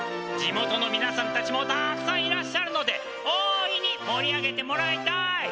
地元のみなさんたちもたっくさんいらっしゃるので大いに盛り上げてもらいたい。